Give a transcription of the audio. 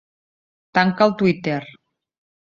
Tanca el twitter.